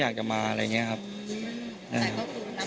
แต่ก็คือรับงานไปแล้ว